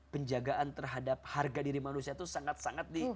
penjagaan terhadap harga diri manusia itu sangat sangat di